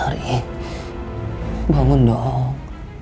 ri bangun dong